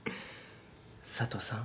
佐都さん。